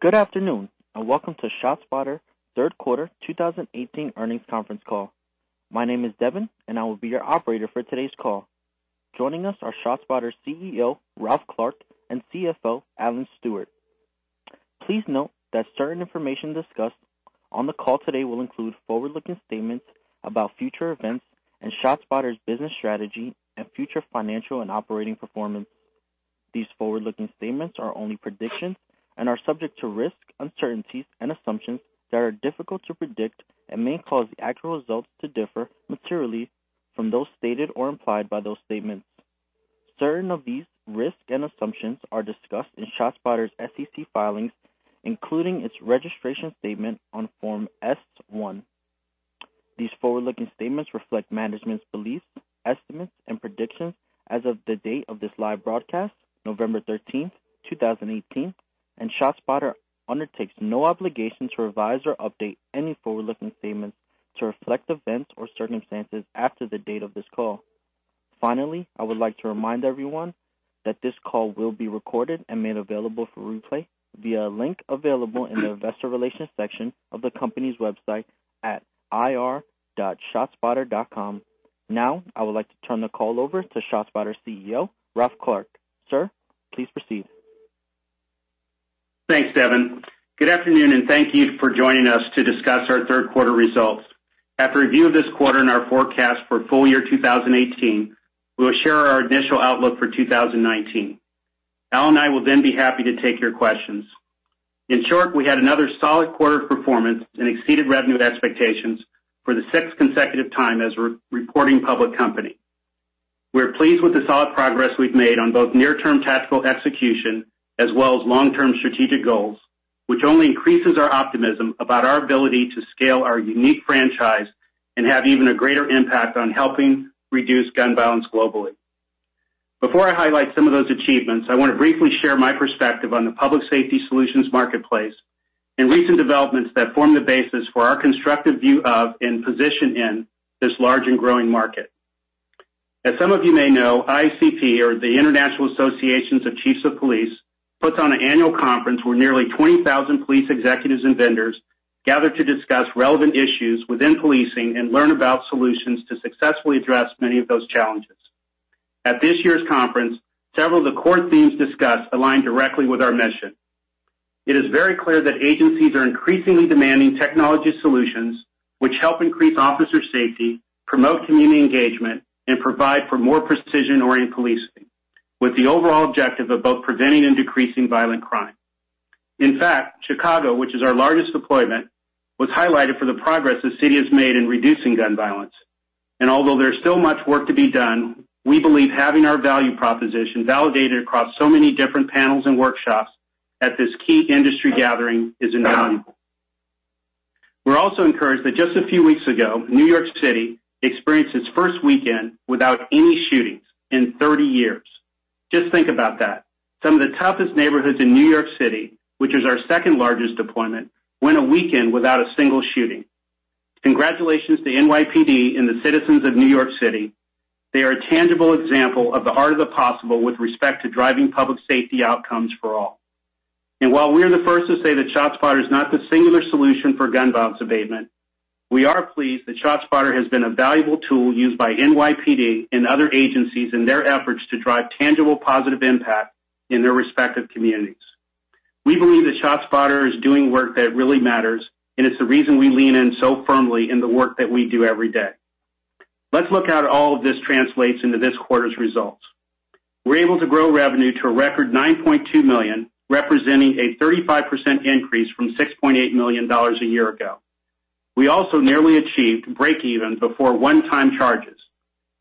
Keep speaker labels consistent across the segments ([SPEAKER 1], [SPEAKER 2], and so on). [SPEAKER 1] Good afternoon, and welcome to ShotSpotter third quarter 2018 earnings conference call. My name is Devin, and I will be your operator for today's call. Joining us are ShotSpotter CEO, Ralph Clark, and CFO, Alan Stewart. Please note that certain information discussed on the call today will include forward-looking statements about future events and ShotSpotter's business strategy and future financial and operating performance. These forward-looking statements are only predictions and are subject to risks, uncertainties, and assumptions that are difficult to predict and may cause the actual results to differ materially from those stated or implied by those statements. Certain of these risks and assumptions are discussed in ShotSpotter's SEC filings, including its registration statement on Form S-1. These forward-looking statements reflect management's beliefs, estimates and predictions as of the date of this live broadcast, November 13th, 2018, and ShotSpotter undertakes no obligation to revise or update any forward-looking statements to reflect events or circumstances after the date of this call. Finally, I would like to remind everyone that this call will be recorded and made available for replay via a link available in the investor relations section of the company's website at ir.shotspotter.com. I would like to turn the call over to ShotSpotter CEO, Ralph Clark. Sir, please proceed.
[SPEAKER 2] Thanks, Devin. Good afternoon, and thank you for joining us to discuss our third quarter results. After a review of this quarter and our forecast for full year 2018, we will share our initial outlook for 2019. Al and I will then be happy to take your questions. In short, we had another solid quarter of performance and exceeded revenue expectations for the sixth consecutive time as a reporting public company. We're pleased with the solid progress we've made on both near-term tactical execution as well as long-term strategic goals, which only increases our optimism about our ability to scale our unique franchise and have even a greater impact on helping reduce gun violence globally. Before I highlight some of those achievements, I want to briefly share my perspective on the public safety solutions marketplace and recent developments that form the basis for our constructive view of and position in this large and growing market. As some of you may know, IACP, or the International Association of Chiefs of Police, puts on an annual conference where nearly 20,000 police executives and vendors gather to discuss relevant issues within policing and learn about solutions to successfully address many of those challenges. At this year's conference, several of the core themes discussed aligned directly with our mission. It is very clear that agencies are increasingly demanding technology solutions which help increase officer safety, promote community engagement, and provide for more precision-oriented policing, with the overall objective of both preventing and decreasing violent crime. In fact, Chicago, which is our largest deployment, was highlighted for the progress the city has made in reducing gun violence. Although there's still much work to be done, we believe having our value proposition validated across so many different panels and workshops at this key industry gathering is invaluable. We're also encouraged that just a few weeks ago, New York City experienced its first weekend without any shootings in 30 years. Just think about that. Some of the toughest neighborhoods in New York City, which is our second-largest deployment, went a weekend without a single shooting. Congratulations to NYPD and the citizens of New York City. They are a tangible example of the art of the possible with respect to driving public safety outcomes for all. While we're the first to say that ShotSpotter is not the singular solution for gun violence abatement, we are pleased that ShotSpotter has been a valuable tool used by NYPD and other agencies in their efforts to drive tangible positive impact in their respective communities. We believe that ShotSpotter is doing work that really matters, and it's the reason we lean in so firmly in the work that we do every day. Let's look at how all of this translates into this quarter's results. We were able to grow revenue to a record $9.2 million, representing a 35% increase from $6.8 million a year ago. We also nearly achieved breakeven before one-time charges.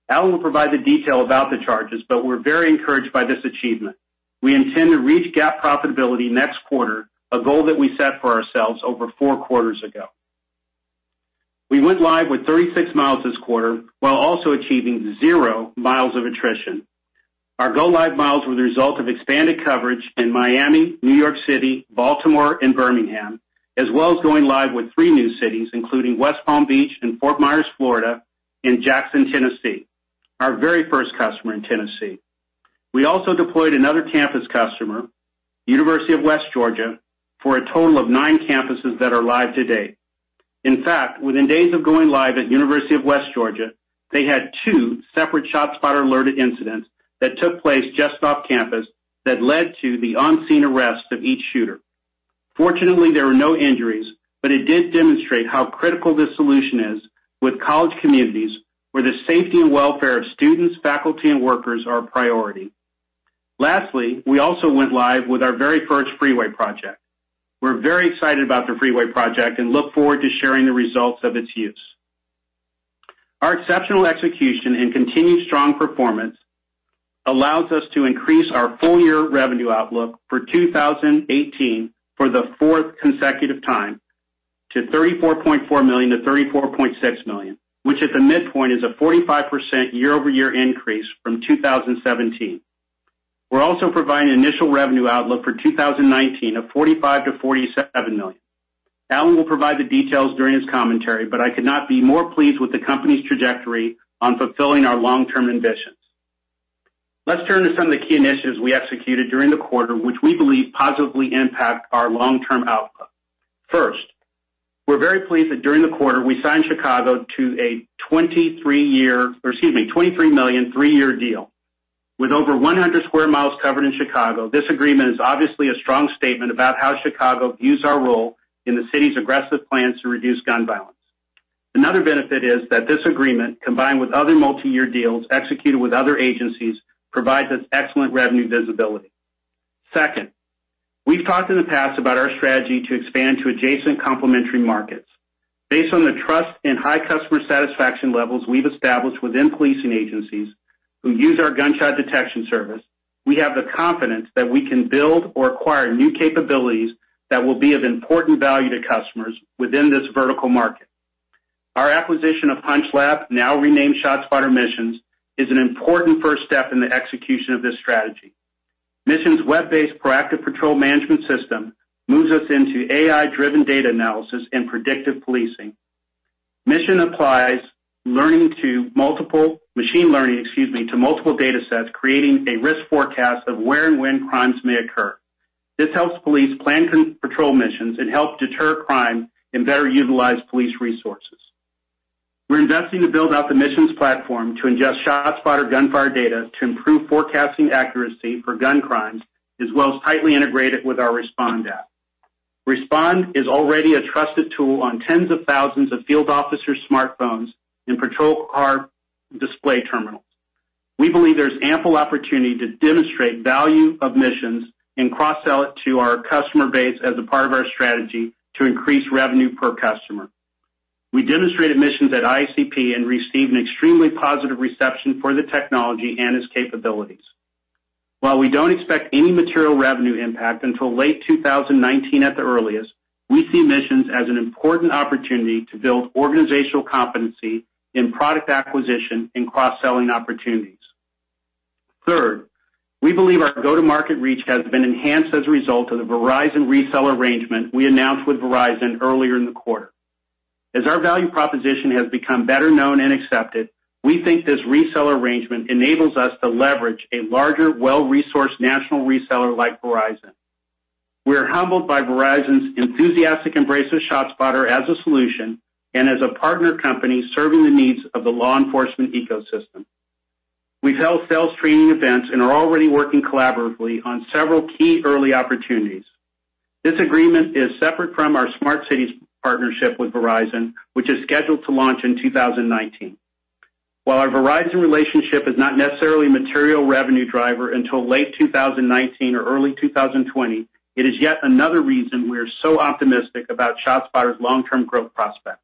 [SPEAKER 2] Al will provide the detail about the charges, but we're very encouraged by this achievement. We intend to reach GAAP profitability next quarter, a goal that we set for ourselves over four quarters ago. We went live with 36 miles this quarter, while also achieving zero miles of attrition. Our go live miles were the result of expanded coverage in Miami, New York City, Baltimore, and Birmingham, as well as going live with 3 new cities, including West Palm Beach and Fort Myers, Florida and Jackson, Tennessee, our very first customer in Tennessee. We also deployed another campus customer, University of West Georgia, for a total of 9 campuses that are live to date. In fact, within days of going live at University of West Georgia, they had 2 separate ShotSpotter alerted incidents that took place just off campus that led to the on-scene arrests of each shooter. Fortunately, there were no injuries, but it did demonstrate how critical this solution is with college communities where the safety and welfare of students, faculty, and workers are a priority. Lastly, we also went live with our very first freeway project. We're very excited about the freeway project and look forward to sharing the results of its use. Our exceptional execution and continued strong performance allows us to increase our full-year revenue outlook for 2018 for the fourth consecutive time to $34.4 million-$34.6 million, which at the midpoint is a 45% year-over-year increase from 2017. We're also providing initial revenue outlook for 2019 of $45 million-$47 million. Al will provide the details during his commentary, but I could not be more pleased with the company's trajectory on fulfilling our long-term ambition. Let's turn to some of the key initiatives we executed during the quarter, which we believe positively impact our long-term outlook. We're very pleased that during the quarter, we signed Chicago to a $23 million three-year deal. With over 100 sq mi covered in Chicago, this agreement is obviously a strong statement about how Chicago views our role in the city's aggressive plans to reduce gun violence. Another benefit is that this agreement, combined with other multi-year deals executed with other agencies, provides us excellent revenue visibility. We've talked in the past about our strategy to expand to adjacent complementary markets. Based on the trust and high customer satisfaction levels we've established within policing agencies who use our gunshot detection service, we have the confidence that we can build or acquire new capabilities that will be of important value to customers within this vertical market. Our acquisition of HunchLab, now renamed ShotSpotter Missions, is an important first step in the execution of this strategy. Missions web-based proactive patrol management system moves us into AI-driven data analysis and predictive policing. Missions applies learning to multiple data sets, creating a risk forecast of where and when crimes may occur. This helps police plan patrol missions and help deter crime and better utilize police resources. We're investing to build out the Missions platform to ingest ShotSpotter gunfire data to improve forecasting accuracy for gun crimes, as well as tightly integrate it with our Respond app. Respond is already a trusted tool on tens of thousands of field officer smartphones and patrol car display terminals. We believe there's ample opportunity to demonstrate value of Missions and cross-sell it to our customer base as a part of our strategy to increase revenue per customer. We demonstrated Missions at IACP and received an extremely positive reception for the technology and its capabilities. While we don't expect any material revenue impact until late 2019 at the earliest, we see Missions as an important opportunity to build organizational competency in product acquisition and cross-selling opportunities. We believe our go-to-market reach has been enhanced as a result of the Verizon reseller arrangement we announced with Verizon earlier in the quarter. We're humbled by Verizon's enthusiastic embrace of ShotSpotter as a solution and as a partner company serving the needs of the law enforcement ecosystem. We've held sales training events and are already working collaboratively on several key early opportunities. This agreement is separate from our Smart Cities partnership with Verizon, which is scheduled to launch in 2019. While our Verizon relationship is not necessarily a material revenue driver until late 2019 or early 2020, it is yet another reason we are so optimistic about ShotSpotter's long-term growth prospects.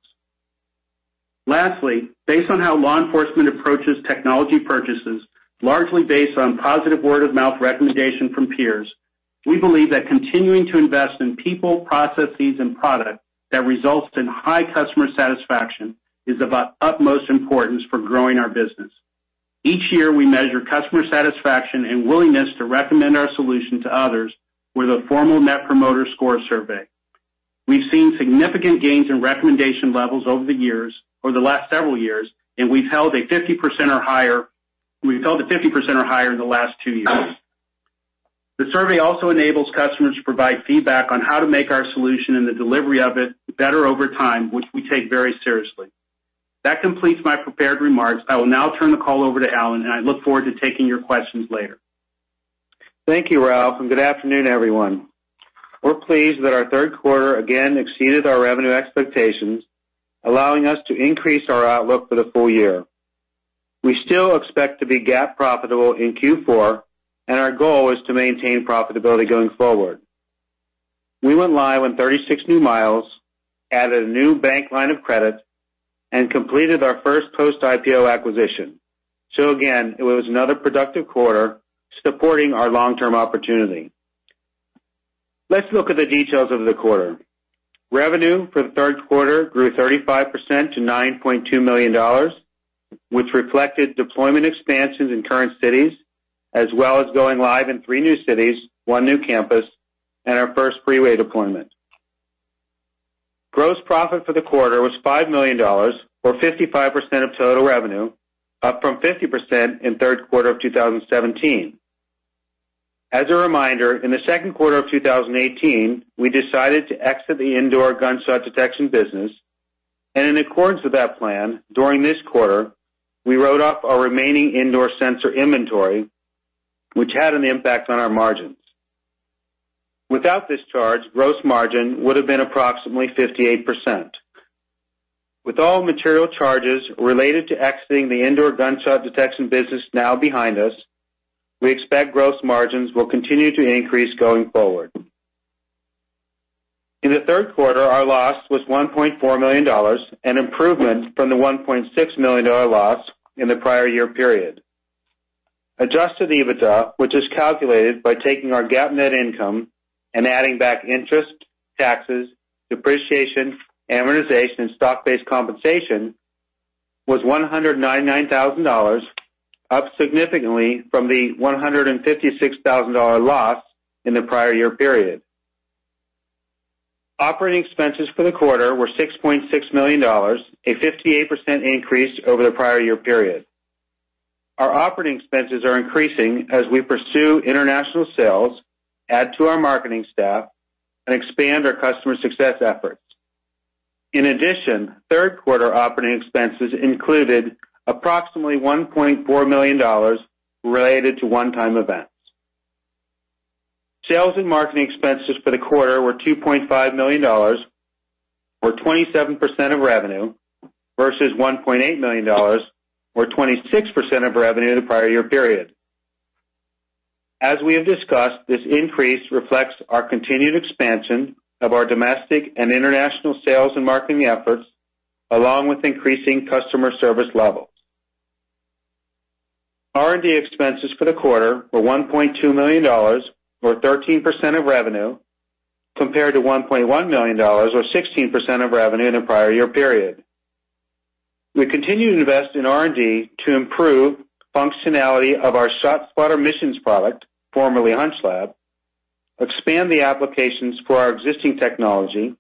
[SPEAKER 2] Based on how law enforcement approaches technology purchases, largely based on positive word-of-mouth recommendation from peers, we believe that continuing to invest in people, processes, and products that results in high customer satisfaction is of utmost importance for growing our business. Each year, we measure customer satisfaction and willingness to recommend our solution to others with a formal Net Promoter Score survey. We've seen significant gains in recommendation levels over the years, over the last several years, and we've held a 50% or higher in the last two years. The survey also enables customers to provide feedback on how to make our solution and the delivery of it better over time, which we take very seriously. That completes my prepared remarks. I will now turn the call over to Alan, and I look forward to taking your questions later.
[SPEAKER 3] Thank you, Ralph, and good afternoon, everyone. We're pleased that our third quarter again exceeded our revenue expectations, allowing us to increase our outlook for the full year. We still expect to be GAAP profitable in Q4, and our goal is to maintain profitability going forward. We went live on 36 new miles, added a new bank line of credit, and completed our first post-IPO acquisition. Again, it was another productive quarter supporting our long-term opportunity. Let's look at the details of the quarter. Revenue for the third quarter grew 35% to $9.2 million, which reflected deployment expansions in current cities, as well as going live in three new cities, one new campus, and our first freeway deployment. Gross profit for the quarter was $5 million, or 55% of total revenue, up from 50% in third quarter of 2017. As a reminder, in the second quarter of 2018, we decided to exit the indoor gunshot detection business, and in accordance with that plan, during this quarter, we wrote off our remaining indoor sensor inventory, which had an impact on our margins. Without this charge, gross margin would have been approximately 58%. With all material charges related to exiting the indoor gunshot detection business now behind us, we expect gross margins will continue to increase going forward. In the third quarter, our loss was $1.4 million, an improvement from the $1.6 million loss in the prior year period. Adjusted EBITDA, which is calculated by taking our GAAP net income and adding back interest, taxes, depreciation, amortization, and stock-based compensation, was $199,000, up significantly from the $156,000 loss in the prior year period. Operating expenses for the quarter were $6.6 million, a 58% increase over the prior year period. Our operating expenses are increasing as we pursue international sales, add to our marketing staff, and expand our customer success efforts. In addition, third quarter operating expenses included approximately $1.4 million related to one-time events. Sales and marketing expenses for the quarter were $2.5 million or 27% of revenue, versus $1.8 million or 26% of revenue in the prior year period. As we have discussed, this increase reflects our continued expansion of our domestic and international sales and marketing efforts, along with increasing customer service levels. R&D expenses for the quarter were $1.2 million or 13% of revenue, compared to $1.1 million or 16% of revenue in the prior year period. We continue to invest in R&D to improve functionality of our ShotSpotter Missions product, formerly HunchLab, expand the applications for our existing technology,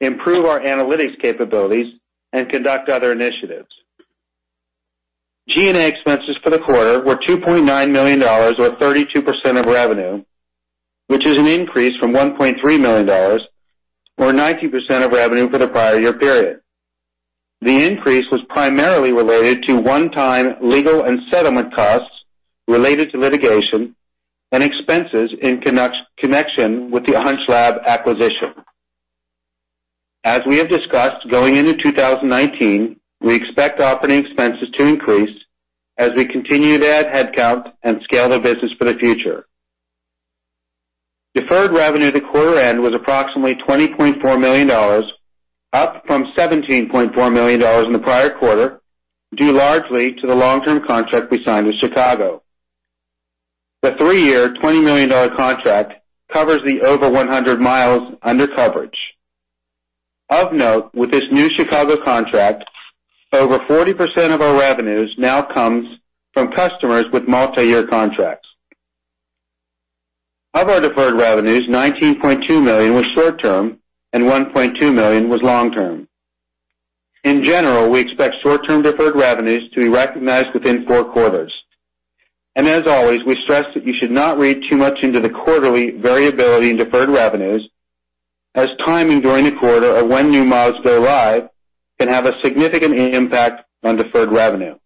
[SPEAKER 3] improve our analytics capabilities, and conduct other initiatives. G&A expenses for the quarter were $2.9 million or 32% of revenue, which is an increase from $1.3 million or 19% of revenue for the prior year period. The increase was primarily related to one-time legal and settlement costs related to litigation and expenses in connection with the HunchLab acquisition. As we have discussed, going into 2019, we expect operating expenses to increase as we continue to add headcount and scale the business for the future. Deferred revenue at the quarter end was approximately $20.4 million, up from $17.4 million in the prior quarter, due largely to the long-term contract we signed with Chicago. The three-year, $20 million contract covers the over 100 miles under coverage. Of note, with this new Chicago contract, over 40% of our revenues now comes from customers with multi-year contracts. Of our deferred revenues, $19.2 million was short-term and $1.2 million was long-term. In general, we expect short-term deferred revenues to be recognized within four quarters. As always, we stress that you should not read too much into the quarterly variability in deferred revenues, as timing during the quarter of when new miles go live can have a significant impact on deferred revenue.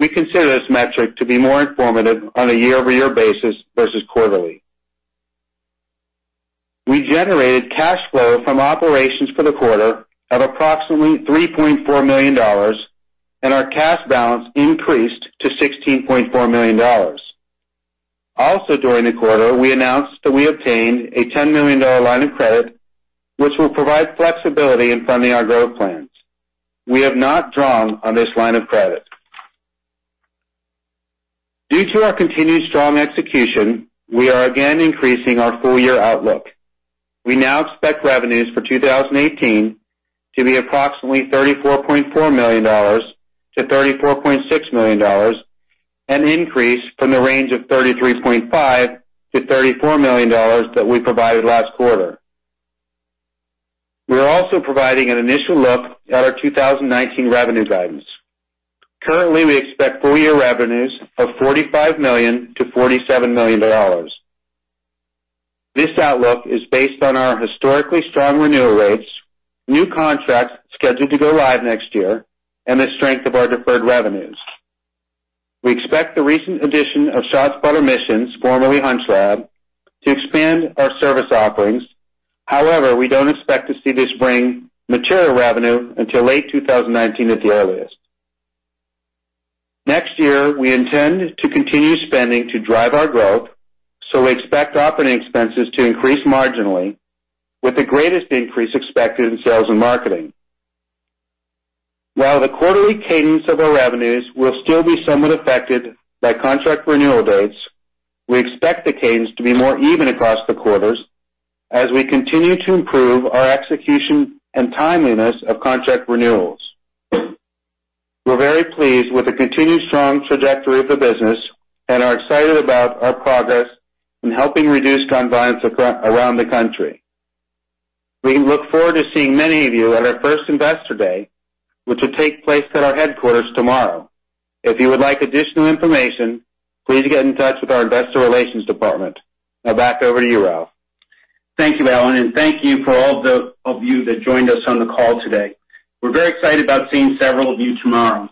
[SPEAKER 3] We consider this metric to be more informative on a year-over-year basis versus quarterly. We generated cash flow from operations for the quarter of approximately $3.4 million, and our cash balance increased to $16.4 million. Also during the quarter, we announced that we obtained a $10 million line of credit, which will provide flexibility in funding our growth plans. We have not drawn on this line of credit. Due to our continued strong execution, we are again increasing our full-year outlook. We now expect revenues for 2018 to be approximately $34.4 million to $34.6 million, an increase from the range of $33.5 million to $34 million that we provided last quarter. We are also providing an initial look at our 2019 revenue guidance. Currently, we expect full-year revenues of $45 million to $47 million. This outlook is based on our historically strong renewal rates, new contracts scheduled to go live next year, and the strength of our deferred revenues. We expect the recent addition of ShotSpotter Missions, formerly HunchLab, to expand our service offerings. However, we don't expect to see this bring material revenue until late 2019 at the earliest. Next year, we intend to continue spending to drive our growth, we expect operating expenses to increase marginally with the greatest increase expected in sales and marketing. While the quarterly cadence of our revenues will still be somewhat affected by contract renewal dates, we expect the cadence to be more even across the quarters as we continue to improve our execution and timeliness of contract renewals. We're very pleased with the continued strong trajectory of the business and are excited about our progress in helping reduce gun violence around the country. We look forward to seeing many of you at our first Investor Day, which will take place at our headquarters tomorrow. If you would like additional information, please get in touch with our investor relations department. Now back over to you, Ralph.
[SPEAKER 2] Thank you, Alan, thank you for all of you that joined us on the call today. We're very excited about seeing several of you tomorrow.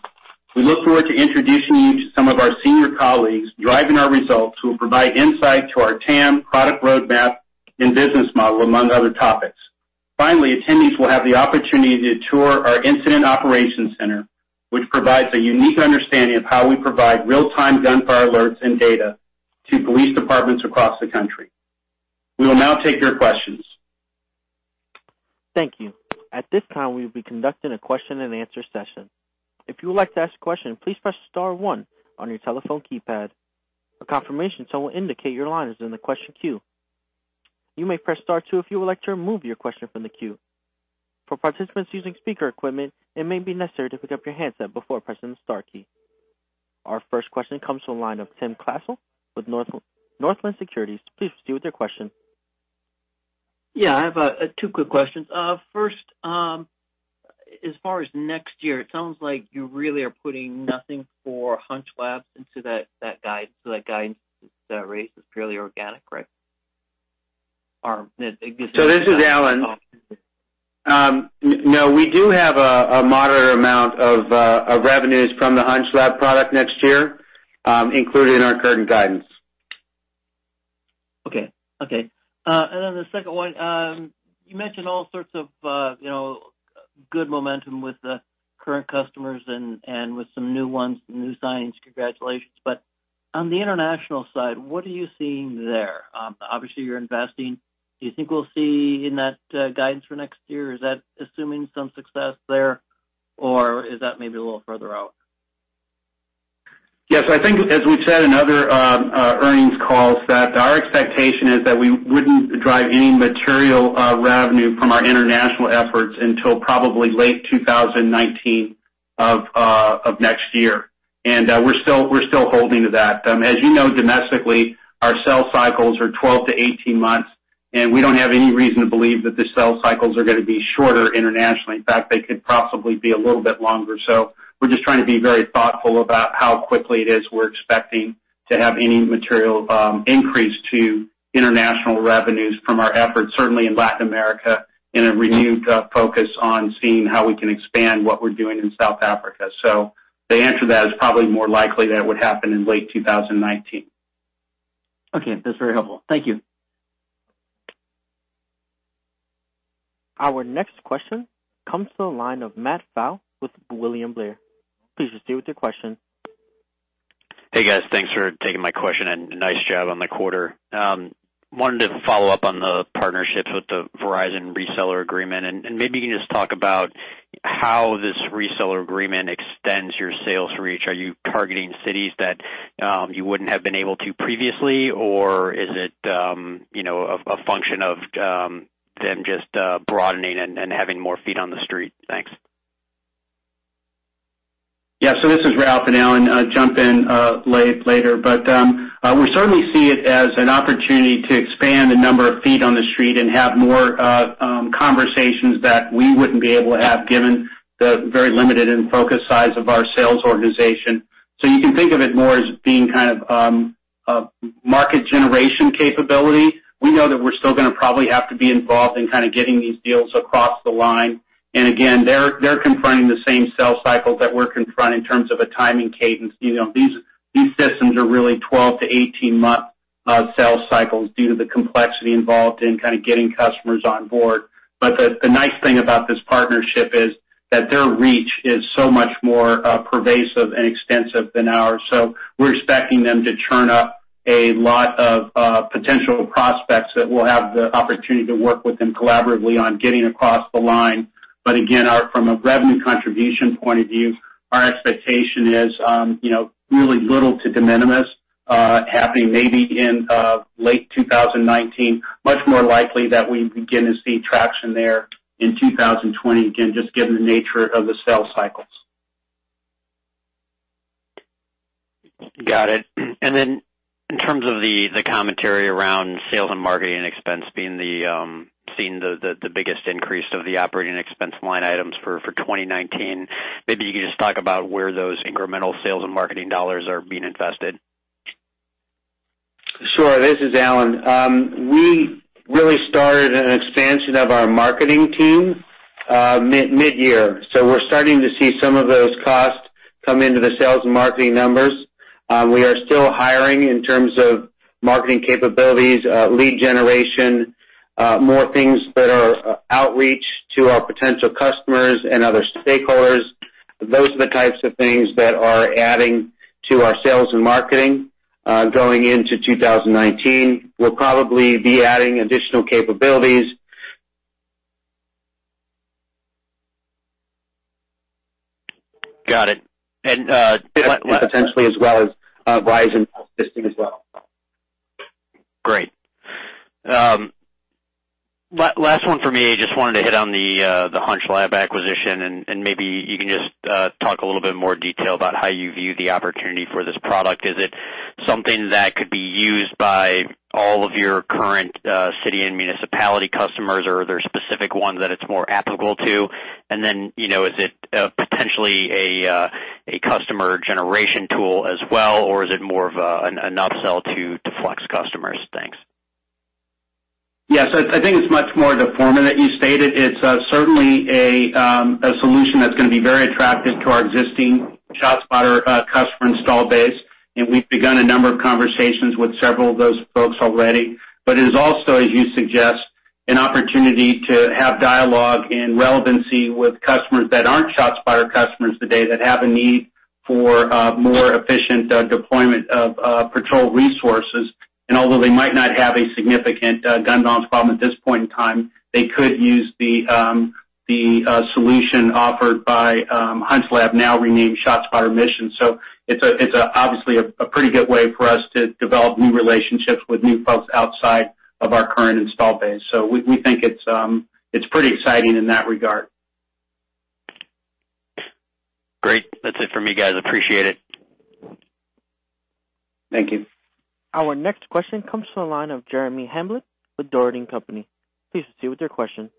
[SPEAKER 2] We look forward to introducing you to some of our senior colleagues driving our results who will provide insight to our TAM product roadmap and business model, among other topics. Finally, attendees will have the opportunity to tour our Incident Review Center, which provides a unique understanding of how we provide real-time gunfire alerts and data to police departments across the country. We will now take your questions.
[SPEAKER 1] Thank you. At this time, we will be conducting a question and answer session. If you would like to ask a question, please press star one on your telephone keypad. A confirmation tone will indicate your line is in the question queue. You may press star two if you would like to remove your question from the queue. For participants using speaker equipment, it may be necessary to pick up your handset before pressing the star key. Our first question comes from the line of Tim Klasell with Northland Securities. Please proceed with your question.
[SPEAKER 4] Yeah, I have two quick questions. First, as far as next year, it sounds like you really are putting nothing for HunchLab into that guidance rate. It's purely organic, right?
[SPEAKER 3] This is Alan. No, we do have a moderate amount of revenues from the HunchLab product next year, included in our current guidance.
[SPEAKER 4] Okay. The second one, you mentioned all sorts of good momentum with the current customers and with some new ones, new signings, congratulations. On the international side, what are you seeing there? Obviously, you're investing. Do you think we'll see in that guidance for next year, is that assuming some success there, or is that maybe a little further out?
[SPEAKER 2] Yes, I think, as we've said in other earnings calls, that our expectation is that we wouldn't drive any material revenue from our international efforts until probably late 2019 of next year. We're still holding to that. Domestically, our sales cycles are 12-18 months, and we don't have any reason to believe that the sales cycles are going to be shorter internationally. They could possibly be a little bit longer. We're just trying to be very thoughtful about how quickly it is we're expecting to have any material increase to international revenues from our efforts, certainly in Latin America, and a renewed focus on seeing how we can expand what we're doing in South Africa. The answer to that is probably more likely that it would happen in late 2019.
[SPEAKER 4] Okay. That's very helpful. Thank you.
[SPEAKER 1] Our next question comes to the line of Matt Pfau with William Blair. Please proceed with your question.
[SPEAKER 5] Thanks for taking my question. Nice job on the quarter. Wanted to follow up on the partnerships with the Verizon reseller agreement. Maybe you can just talk about how this reseller agreement extends your sales reach. Are you targeting cities that you wouldn't have been able to previously, or is it a function of them just broadening and having more feet on the street? Thanks.
[SPEAKER 2] Yeah. This is Ralph Clark. Alan Stewart jump in later. We certainly see it as an opportunity to expand the number of feet on the street and have more conversations that we wouldn't be able to have given the very limited and focused size of our sales organization. You can think of it more as being kind of a market generation capability. We know that we're still going to probably have to be involved in kind of getting these deals across the line. Again, they're confronting the same sales cycles that we're confronting in terms of a timing cadence. These systems are really 12 to 18-month sales cycles due to the complexity involved in kind of getting customers on board. The nice thing about this partnership is that their reach is so much more pervasive and extensive than ours. We're expecting them to churn up a lot of potential prospects that we'll have the opportunity to work with them collaboratively on getting across the line. Again, from a revenue contribution point of view, our expectation is really little to de minimis happening maybe in late 2019. Much more likely that we begin to see traction there in 2020, again, just given the nature of the sales cycles.
[SPEAKER 5] Got it. Then in terms of the commentary around sales and marketing expense seeing the biggest increase of the operating expense line items for 2019, maybe you could just talk about where those incremental sales and marketing dollars are being invested.
[SPEAKER 3] Sure. This is Alan. We really started an expansion of our marketing team mid-year, so we're starting to see some of those costs come into the sales and marketing numbers. We are still hiring in terms of marketing capabilities, lead generation, more things that are outreach to our potential customers and other stakeholders. Those are the types of things that are adding to our sales and marketing. Going into 2019, we'll probably be adding additional capabilities.
[SPEAKER 5] Got it.
[SPEAKER 3] Potentially as well as Verizon existing as well.
[SPEAKER 5] Great. Last one for me. Just wanted to hit on the HunchLab acquisition, and maybe you can just talk a little bit more detail about how you view the opportunity for this product. Is it something that could be used by all of your current city and municipality customers, or are there specific ones that it's more applicable to? Is it potentially a customer generation tool as well, or is it more of an upsell to flex customers? Thanks.
[SPEAKER 2] Yeah. I think it's much more of the former that you stated. It's certainly a solution that's going to be very attractive to our existing ShotSpotter customer install base, and we've begun a number of conversations with several of those folks already. It is also, as you suggest, an opportunity to have dialogue and relevancy with customers that aren't ShotSpotter customers today that have a need for more efficient deployment of patrol resources. Although they might not have a significant gun violence problem at this point in time, they could use the solution offered by HunchLab, now renamed ShotSpotter Missions. It's obviously a pretty good way for us to develop new relationships with new folks outside of our current install base. We think it's pretty exciting in that regard.
[SPEAKER 5] Great. That's it for me, guys. Appreciate it.
[SPEAKER 3] Thank you.
[SPEAKER 1] Our next question comes from the line of Jeremy Hamblin with Dougherty & Company. Please proceed with your question.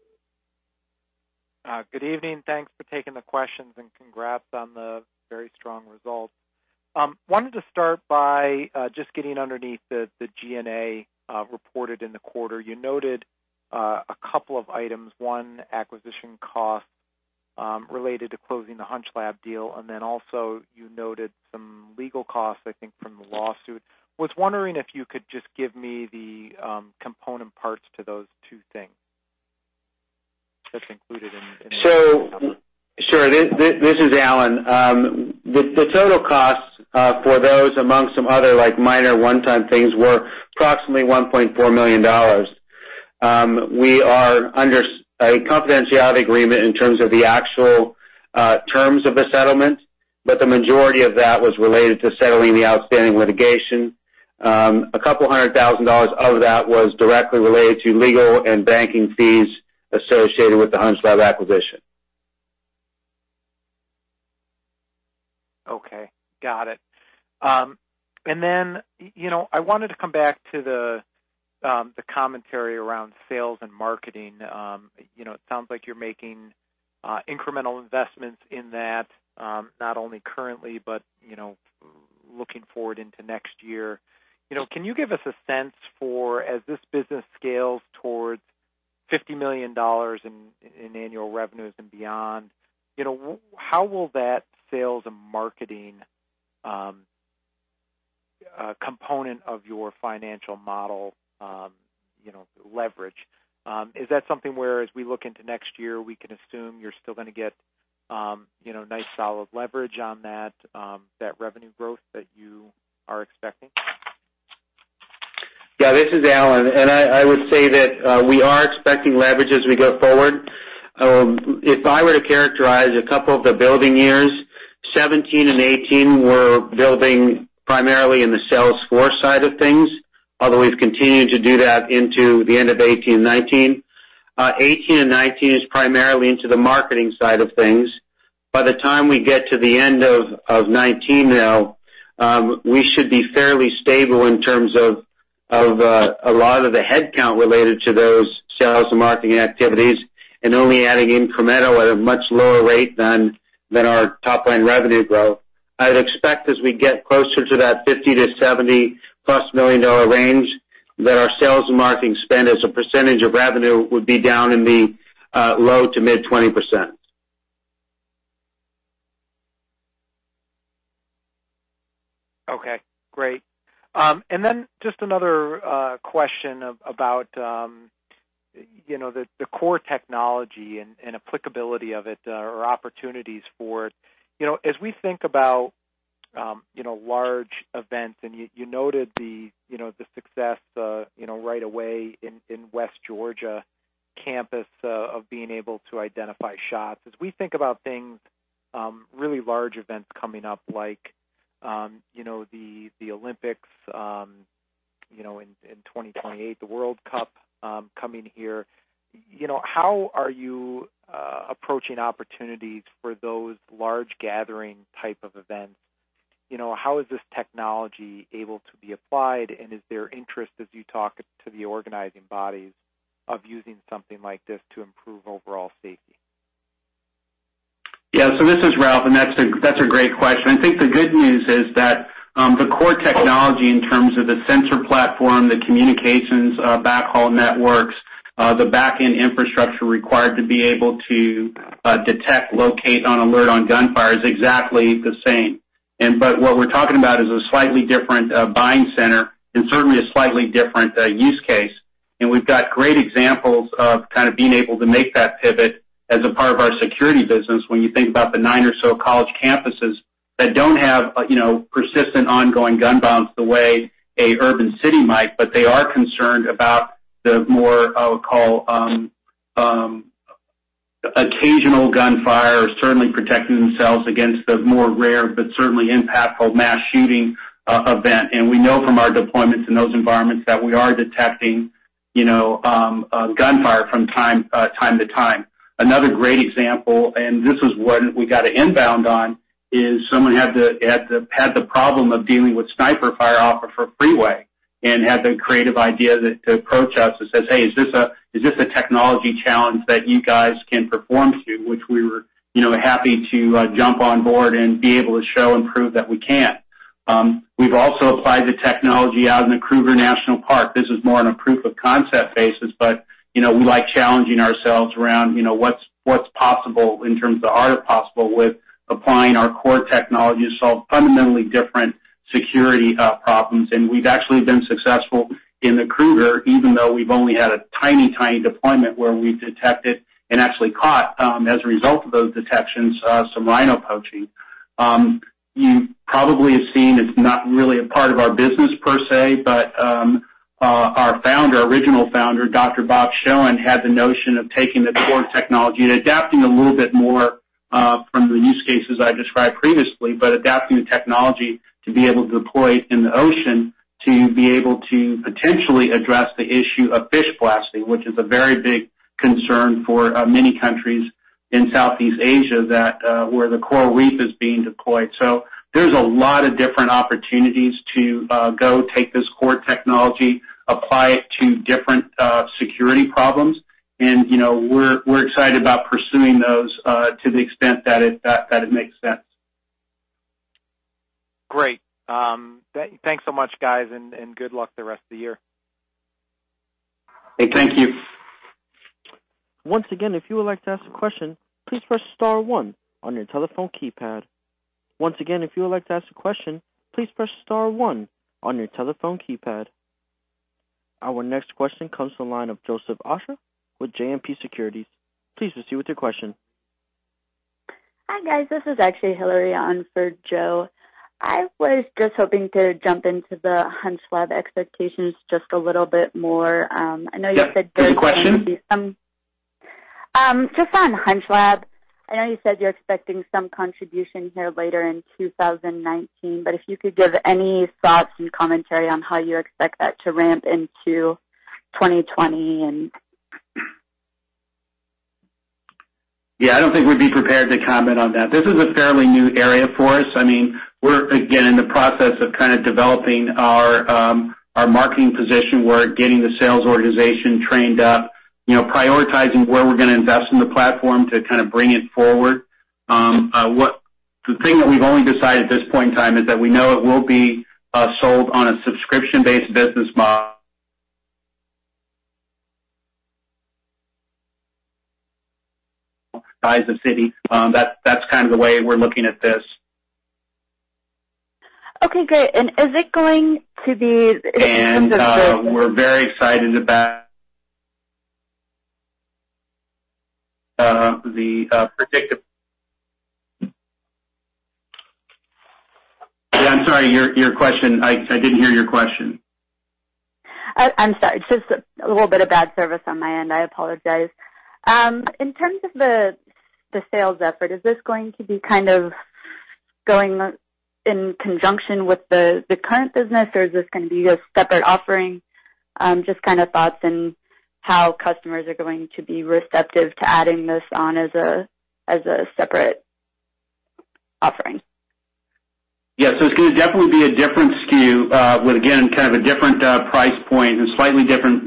[SPEAKER 6] Good evening. Thanks for taking the questions, and congrats on the very strong results. Wanted to start by just getting underneath the G&A reported in the quarter. You noted a couple of items. One, acquisition costs related to closing the HunchLab deal, and then also you noted some legal costs, I think, from the lawsuit. Was wondering if you could just give me the component parts to those two things that's included in-
[SPEAKER 3] Sure. This is Alan. The total costs for those, amongst some other minor one-time things, were approximately $1.4 million. We are under a confidentiality agreement in terms of the actual terms of the settlement, but the majority of that was related to settling the outstanding litigation. A couple hundred thousand dollars of that was directly related to legal and banking fees associated with the HunchLab acquisition.
[SPEAKER 6] Okay, got it. I wanted to come back to the commentary around sales and marketing. It sounds like you're making incremental investments in that, not only currently but looking forward into next year. Can you give us a sense for, as this business scales towards $50 million in annual revenues and beyond, how will that sales and marketing component of your financial model leverage? Is that something where, as we look into next year, we can assume you're still going to get nice solid leverage on that revenue growth that you are expecting?
[SPEAKER 3] Yeah, this is Alan. I would say that we are expecting leverage as we go forward. If I were to characterize a couple of the building years, 2017 and 2018 were building primarily in the sales force side of things, although we've continued to do that into the end of 2018 and 2019. 2018 and 2019 is primarily into the marketing side of things. By the time we get to the end of 2019, though, we should be fairly stable in terms of a lot of the headcount related to those sales and marketing activities, and only adding incremental at a much lower rate than our top-line revenue growth. I would expect, as we get closer to that $50 million-$70 million-plus range, that our sales and marketing spend as a percentage of revenue would be down in the low to mid-20%.
[SPEAKER 6] Okay, great. Just another question about the core technology and applicability of it, or opportunities for it. As we think about large events, and you noted the success right away in University of West Georgia campus of being able to identify shots. Really large events coming up like the Olympic Games in 2028, the FIFA World Cup coming here, how are you approaching opportunities for those large gathering type of events? How is this technology able to be applied, and is there interest as you talk to the organizing bodies of using something like this to improve overall safety?
[SPEAKER 2] This is Ralph, and that's a great question. The good news is that the core technology in terms of the sensor platform, the communications backhaul networks, the backend infrastructure required to be able to detect, locate, and alert on gunfire is exactly the same. What we're talking about is a slightly different buying center and certainly a slightly different use case. We've got great examples of kind of being able to make that pivot as a part of our security business when you think about the nine or so college campuses that don't have persistent ongoing gun violence the way an urban city might, but they are concerned about the more, I would call, occasional gunfire, or certainly protecting themselves against the more rare but certainly impactful mass shooting event. We know from our deployments in those environments that we are detecting gunfire from time to time. Another great example, and this is one we got an inbound on, is someone had the problem of dealing with sniper fire off of a freeway and had the creative idea to approach us and says, "Hey, is this a technology challenge that you guys can perform to?" Which we were happy to jump on board and be able to show and prove that we can. We've also applied the technology out in the Kruger National Park. This is more on a proof of concept basis, but we like challenging ourselves around what's possible in terms of the art of possible with applying our core technology to solve fundamentally different security problems. We've actually been successful in the Kruger, even though we've only had a tiny deployment where we've detected, and actually caught, as a result of those detections, some rhino poaching. You probably have seen, it's not really a part of our business per se, but our founder, original founder, Dr. Robert Showen, had the notion of taking the core technology and adapting a little bit more From the use cases I described previously, adapting the technology to be able to deploy it in the ocean to be able to potentially address the issue of fish blasting, which is a very big concern for many countries in Southeast Asia, where the Coral Reef is being deployed. There's a lot of different opportunities to go take this core technology, apply it to different security problems, and we're excited about pursuing those, to the extent that it makes sense.
[SPEAKER 6] Great. Thanks so much, guys, good luck the rest of the year.
[SPEAKER 2] Hey, thank you.
[SPEAKER 1] Once again, if you would like to ask a question, please press star one on your telephone keypad. Once again, if you would like to ask a question, please press star one on your telephone keypad. Our next question comes from the line of Joseph Osha with JMP Securities. Please proceed with your question.
[SPEAKER 7] Hi, guys. This is actually Hillary on for Joe. I was just hoping to jump into the HunchLab expectations just a little bit more. I know you said.
[SPEAKER 2] Yeah. Good question.
[SPEAKER 7] Just on HunchLab, I know you said you're expecting some contribution here later in 2019. If you could give any thoughts and commentary on how you expect that to ramp into 2020.
[SPEAKER 2] Yeah, I don't think we'd be prepared to comment on that. This is a fairly new area for us. We're, again, in the process of kind of developing our marketing position. We're getting the sales organization trained up, prioritizing where we're going to invest in the platform to kind of bring it forward. The thing that we've only decided at this point in time is that we know it will be sold on a subscription-based business model. Size the city. That's kind of the way we're looking at this.
[SPEAKER 7] Okay, great. Is it going to be in terms of
[SPEAKER 2] We're very excited about the predictive. I'm sorry, your question, I didn't hear your question.
[SPEAKER 7] I'm sorry. Just a little bit of bad service on my end. I apologize. In terms of the sales effort, is this going to be kind of going in conjunction with the current business, or is this going to be a separate offering? Just kind of thoughts and how customers are going to be receptive to adding this on as a separate offering.
[SPEAKER 2] Yeah. It's going to definitely be a different SKU with, again, kind of a different price point and slightly different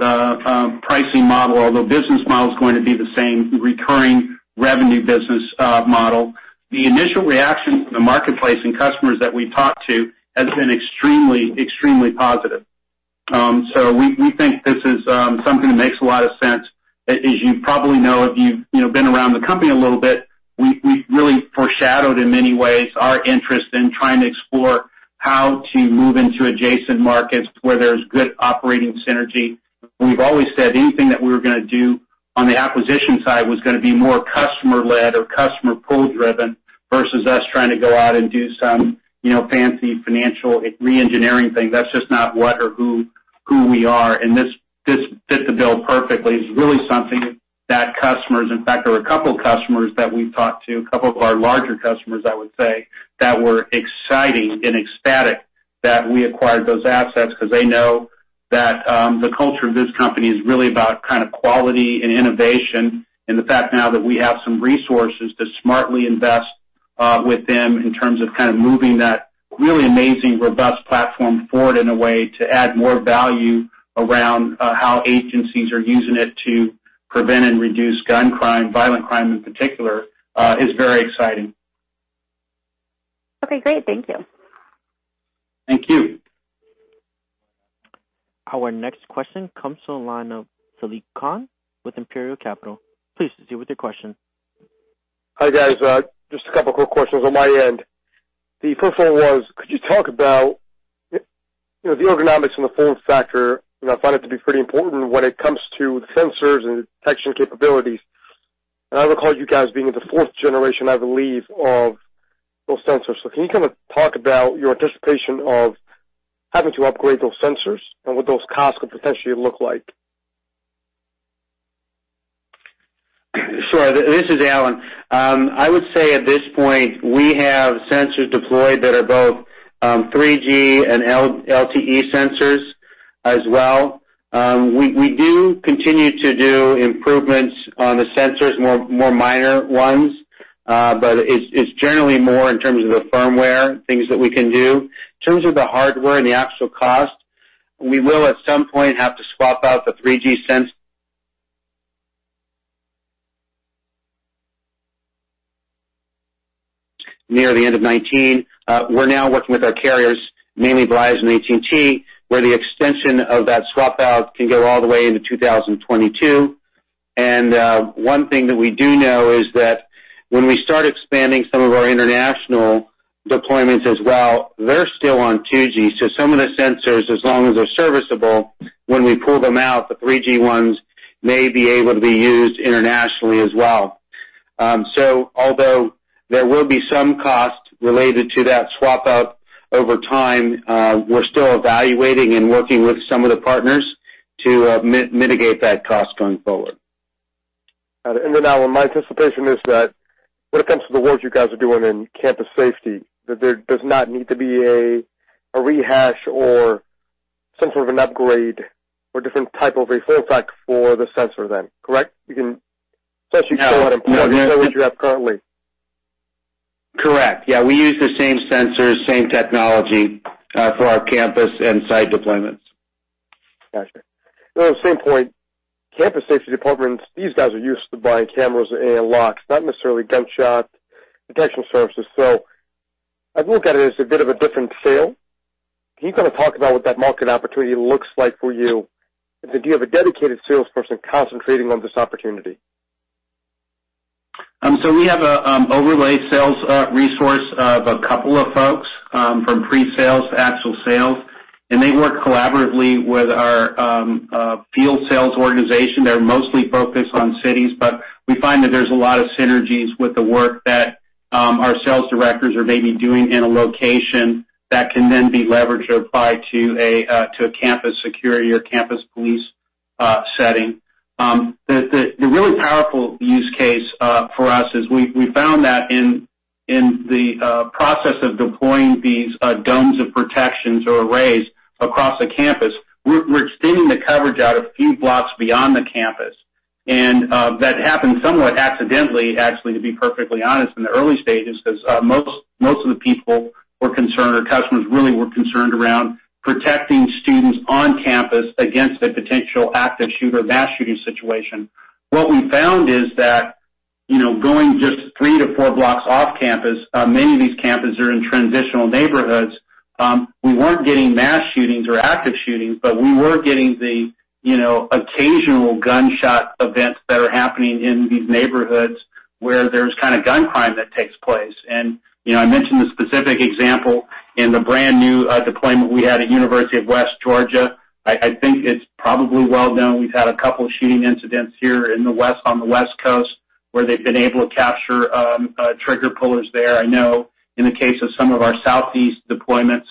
[SPEAKER 2] pricing model, although business model is going to be the same recurring revenue business model. The initial reaction from the marketplace and customers that we've talked to has been extremely positive. We think this is something that makes a lot of sense. As you probably know, if you've been around the company a little bit, we've really foreshadowed in many ways our interest in trying to explore how to move into adjacent markets where there's good operating synergy. We've always said anything that we were going to do on the acquisition side was going to be more customer-led or customer pull-driven versus us trying to go out and do some fancy financial re-engineering thing. That's just not what or who we are, and this fit the bill perfectly. It's really something that customers. In fact, there were a couple of customers that we've talked to, a couple of our larger customers, I would say, that were exciting and ecstatic that we acquired those assets because they know that the culture of this company is really about quality and innovation. The fact now that we have some resources to smartly invest with them in terms of moving that really amazing, robust platform forward in a way to add more value around how agencies are using it to prevent and reduce gun crime, violent crime in particular, is very exciting.
[SPEAKER 7] Okay, great. Thank you.
[SPEAKER 2] Thank you.
[SPEAKER 1] Our next question comes from the line of Saliq Khan with Imperial Capital. Please proceed with your question.
[SPEAKER 8] Hi, guys. Just a couple of quick questions on my end. The first one was, could you talk about the ergonomics and the form factor? I find it to be pretty important when it comes to the sensors and detection capabilities. I recall you guys being in the fourth generation, I believe, of those sensors. Can you kind of talk about your anticipation of having to upgrade those sensors and what those costs could potentially look like?
[SPEAKER 3] Sure. This is Alan. I would say at this point, we have sensors deployed that are both 3G and LTE sensors as well. We do continue to do improvements on the sensors, more minor ones. It's generally more in terms of the firmware, things that we can do. In terms of the hardware and the actual cost, we will, at some point, have to swap out the 3G sensors near the end of 2019. We're now working with our carriers, mainly Verizon and AT&T, where the extension of that swap out can go all the way into 2022. One thing that we do know is that when we start expanding some of our international deployments as well, they're still on 2G. Some of the sensors, as long as they're serviceable, when we pull them out, the 3G ones may be able to be used internationally as well. Although there will be some cost related to that swap out over time, we're still evaluating and working with some of the partners to mitigate that cost going forward.
[SPEAKER 8] Got it. My anticipation is that when it comes to the work you guys are doing in campus safety, that there does not need to be a rehash or some sort of an upgrade or different type of a form factor for the sensor then, correct?
[SPEAKER 2] No. -show what you have currently. Correct. Yeah, we use the same sensors, same technology, for our campus and site deployments.
[SPEAKER 8] Got you. On the same point, campus safety departments, these guys are used to buying cameras and locks, not necessarily gunshot detection services. I'd look at it as a bit of a different sale. Can you kind of talk about what that market opportunity looks like for you? Do you have a dedicated salesperson concentrating on this opportunity?
[SPEAKER 2] We have an overlay sales resource of a couple of folks, from pre-sales to actual sales, and they work collaboratively with our field sales organization. They're mostly focused on cities, but we find that there's a lot of synergies with the work that our sales directors are maybe doing in a location that can then be leveraged or applied to a campus security or campus police setting. The really powerful use case for us is we found that in the process of deploying these domes of protections or arrays across a campus, we're extending the coverage out a few blocks beyond the campus. That happened somewhat accidentally, actually, to be perfectly honest, in the early stages, because most of the people were concerned or customers really were concerned around protecting students on campus against a potential active shooter, mass shooting situation. What we found is that, going just three to four blocks off campus, many of these campuses are in transitional neighborhoods. We weren't getting mass shootings or active shootings, but we were getting the occasional gunshot events that are happening in these neighborhoods where there's kind of gun crime that takes place. I mentioned the specific example in the brand-new deployment we had at University of West Georgia. I think it's probably well known. We've had a couple of shooting incidents here in the west, on the West Coast, where they've been able to capture trigger pullers there. I know in the case of some of our southeast deployments,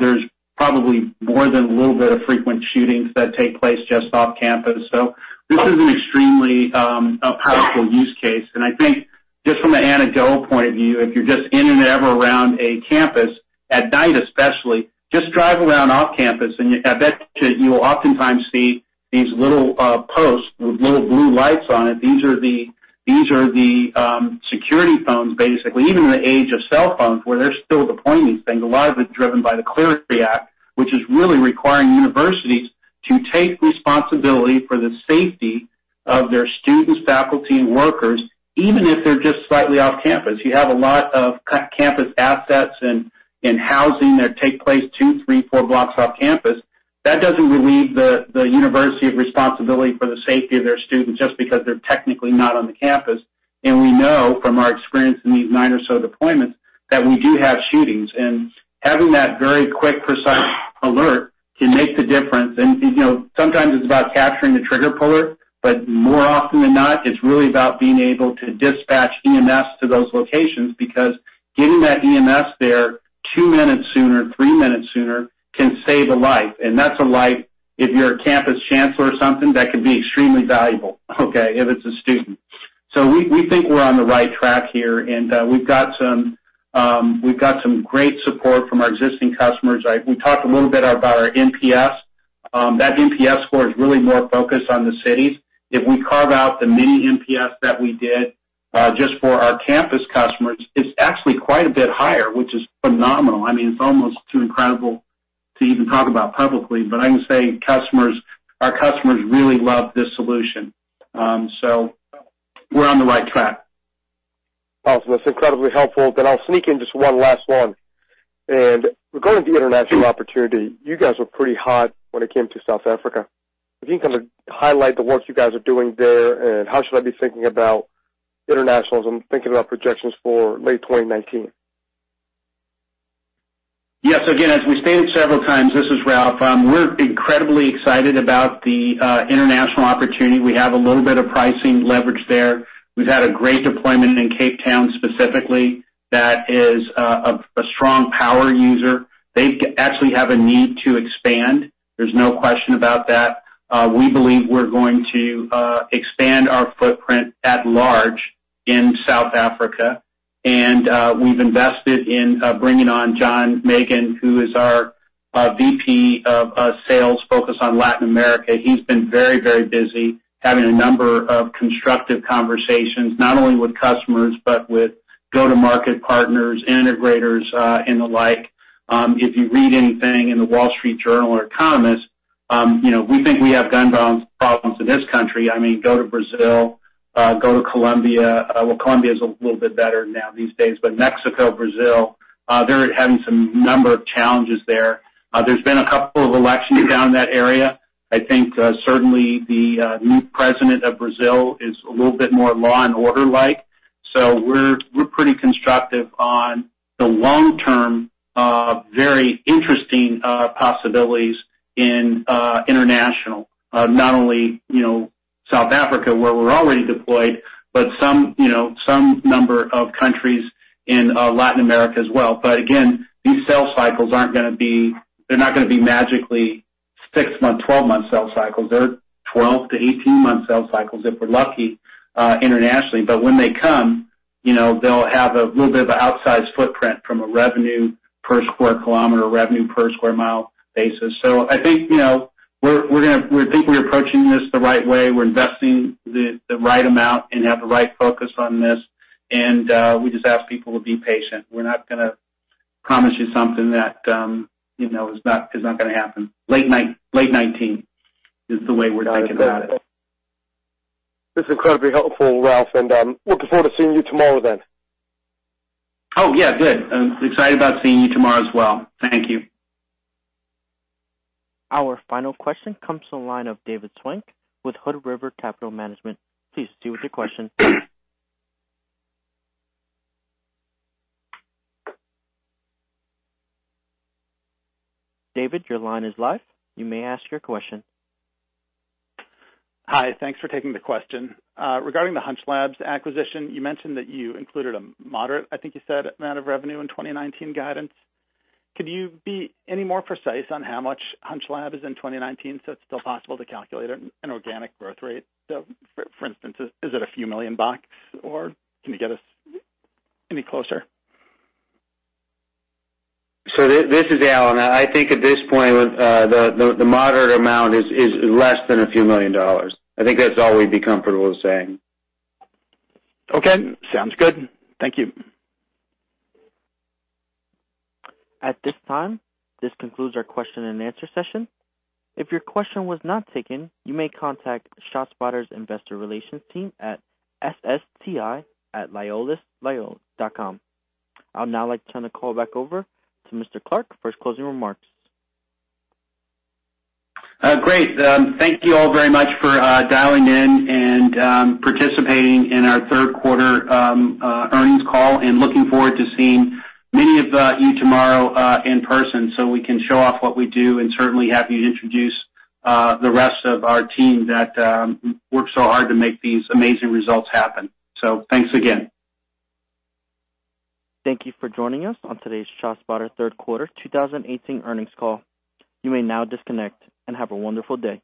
[SPEAKER 2] there's probably more than a little bit of frequent shootings that take place just off campus. This is an extremely powerful use case. I think just from an anecdotal point of view, if you're just in and ever around a campus at night especially, just drive around off campus, and I bet you will oftentimes see these little posts with little blue lights on it. These are the security phones, basically. Even in the age of cell phones, where they're still deploying these things, a lot of it's driven by the Clery Act, which is really requiring universities to take responsibility for the safety of their students, faculty, and workers, even if they're just slightly off campus. You have a lot of campus assets and housing that take place two, three, four blocks off campus. That doesn't relieve the university of responsibility for the safety of their students just because they're technically not on the campus. We know from our experience in these nine or so deployments that we do have shootings. Having that very quick, precise alert can make the difference. Sometimes it's about capturing the trigger puller, but more often than not, it's really about being able to dispatch EMS to those locations, because getting that EMS there two minutes sooner, three minutes sooner, can save a life. That's a life, if you're a campus chancellor or something, that can be extremely valuable, okay, if it's a student. We think we're on the right track here, and we've got some great support from our existing customers. We talked a little bit about our NPS. That NPS score is really more focused on the cities. If we carve out the mini NPS that we did just for our campus customers, it's actually quite a bit higher, which is phenomenal. It's almost too incredible to even talk about publicly. I can say our customers really love this solution. We're on the right track.
[SPEAKER 8] That's incredibly helpful. I'll sneak in just one last one. Regarding the international opportunity, you guys were pretty hot when it came to South Africa. If you can kind of highlight the work you guys are doing there, and how should I be thinking about international as I'm thinking about projections for late 2019?
[SPEAKER 2] Yes. Again, as we stated several times, this is Ralph, we're incredibly excited about the international opportunity. We have a little bit of pricing leverage there. We've had a great deployment in Cape Town specifically that is a strong power user. They actually have a need to expand. There's no question about that. We believe we're going to expand our footprint at large in South Africa. We've invested in bringing on Jon Magin, who is our Vice President of Sales focused on Latin America. He's been very busy having a number of constructive conversations, not only with customers, but with go-to-market partners, integrators, and the like. If you read anything in The Wall Street Journal or The Economist, we think we have gun violence problems in this country. Go to Brazil, go to Colombia. Well, Colombia is a little bit better now these days. Mexico, Brazil, they're having some number of challenges there. There's been a couple of elections down in that area. I think certainly the new president of Brazil is a little bit more law and order-like. We're pretty constructive on the long term, very interesting possibilities in international, not only South Africa where we're already deployed, but some number of countries in Latin America as well. Again, these sales cycles, they're not going to be magically 6-month, 12-month sales cycles. They're 12 to 18-month sales cycles, if we're lucky, internationally. When they come, they'll have a little bit of an outsized footprint from a revenue per square kilometer, revenue per square mile basis. I think we're approaching this the right way. We're investing the right amount and have the right focus on this, we just ask people to be patient. We're not going to promise you something that is not going to happen. Late 2019 is the way we're thinking about it.
[SPEAKER 8] That's incredibly helpful, Ralph, and looking forward to seeing you tomorrow then.
[SPEAKER 2] Oh, yeah. Good. I'm excited about seeing you tomorrow as well. Thank you.
[SPEAKER 1] Our final question comes from the line of David Swank with Hood River Capital Management. Please proceed with your question. David, your line is live. You may ask your question.
[SPEAKER 9] Hi. Thanks for taking the question. Regarding the HunchLab's acquisition, you mentioned that you included a moderate, I think you said, amount of revenue in 2019 guidance. Could you be any more precise on how much HunchLab is in 2019 so it's still possible to calculate an organic growth rate? For instance, is it a few million dollars, or can you get us any closer?
[SPEAKER 3] This is Alan. I think at this point, the moderate amount is less than a few million dollars. I think that's all we'd be comfortable saying.
[SPEAKER 9] Okay, sounds good. Thank you.
[SPEAKER 1] At this time, this concludes our question and answer session. If your question was not taken, you may contact ShotSpotter's investor relations team at ssti@liolios.com. I'd now like to turn the call back over to Mr. Clark for his closing remarks.
[SPEAKER 2] Great. Thank you all very much for dialing in and participating in our third quarter earnings call, and looking forward to seeing many of you tomorrow in person so we can show off what we do and certainly happy to introduce the rest of our team that works so hard to make these amazing results happen. Thanks again.
[SPEAKER 1] Thank you for joining us on today's ShotSpotter third quarter 2018 earnings call. You may now disconnect and have a wonderful day.